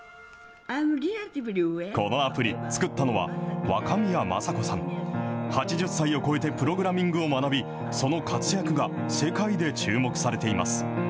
このアプリ、作ったのは若宮正子さん、８０歳を超えてプログラミングを学び、その活躍が世界で注目されています。